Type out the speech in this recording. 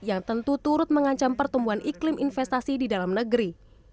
yang tentu turut mengancam pertumbuhan iklim investasi di dalam negeri